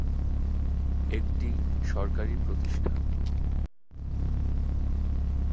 একটি সরকার প্রতিষ্ঠান।